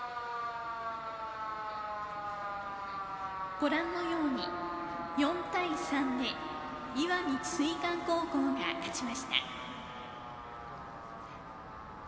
ご覧のように４対３で石見智翠館高校が勝ちました。